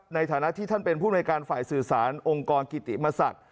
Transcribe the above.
ในฐานะที่ท่านเป็นผู้ในการฝ่ายสื่อสารองค์กรกิติมศักดิ์